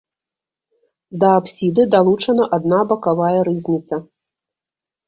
Да апсіды далучана адна бакавая рызніца.